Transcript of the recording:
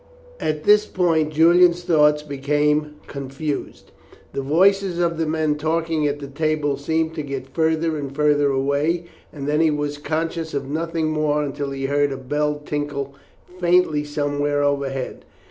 At this point Julian's thoughts became confused. The voices of the men talking at the table seemed to get further and further away, and then he was conscious of nothing more until he heard a bell tinkle faintly somewhere overhead.